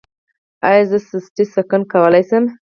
ایا زه سټي سکن کولی شم؟